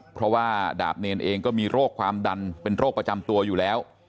เพราะว่าดาบเนรเองก็มีโรคความดันเป็นโรคประจำตัวอยู่แล้ว